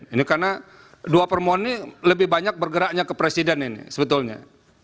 ini karena dua permohonan ini lebih banyak bergeraknya ke presiden ini sebetulnya